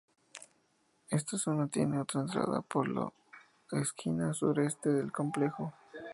Esta zona tiene otra entrada, por la esquina sureste del complejo.